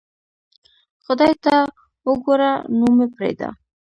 خدای ته اوګوره نو مې پریدا